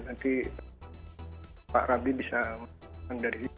nanti pak ramli bisa mengetahuinya